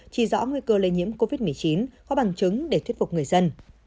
chỉ rõ nguy cơ lây nhiễm covid một mươi chín có bằng chứng để thuyết phục người dân